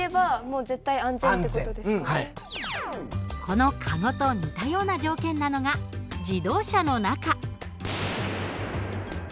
このカゴと似たような条件なのが自動車の中。